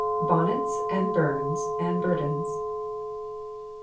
BONNETS, AND BURNS, AND BURDENS.